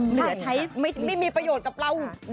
ถ้าใช้ไม่มีประโยชน์กับเรา